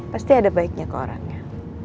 pasti ada baiknya ke orangnya